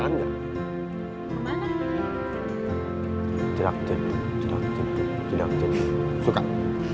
kamu kalau malam suka jalan jalan gak